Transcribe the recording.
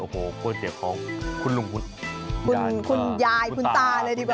โอ้โหก๋วยเตี๋ยวของคุณลุงคุณยายคุณตาเลยดีกว่า